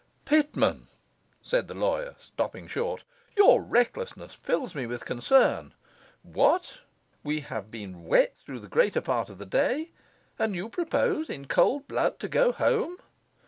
'Pitman,' said the lawyer, stopping short, 'your recklessness fills me with concern. What! we have been wet through the greater part of the day, and you propose, in cold blood, to go home!